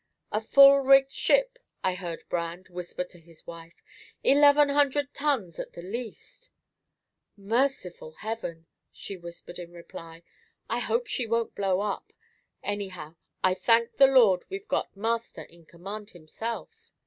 "A full rigged ship," I heard Brand whisper to his wife. "Eleven hundred tons at the least." "Merciful heaven," she whispered in reply. "I hope she won't blow up. Anyhow, I thank the Lord we've got Master in command himself."